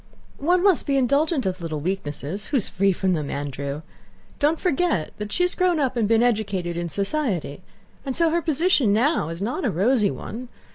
"One must be indulgent to little weaknesses; who is free from them, Andrew? Don't forget that she has grown up and been educated in society, and so her position now is not a rosy one.